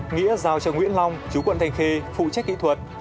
nghĩa giao cho nguyễn long chú quận thanh khê phụ trách kỹ thuật